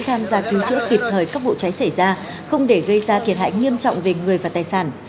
tham gia cứu chữa kịp thời các vụ cháy xảy ra không để gây ra thiệt hại nghiêm trọng về người và tài sản